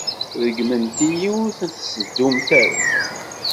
Ṛeggmemt-iyi ur ten-tettadumt ara.